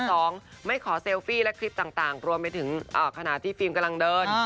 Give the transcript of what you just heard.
สองไม่ขอเซลฟี่และคลิปต่างรวมไปถึงขณะที่ฟิล์มกำลังเดิน